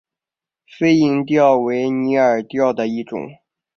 飞蝇钓为拟饵钓的一种。